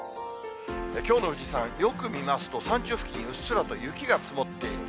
きょうの富士山、よく見ますと、山頂付近、うっすらと雪が積もっている。